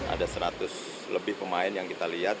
ada seratus lebih pemain yang kita lihat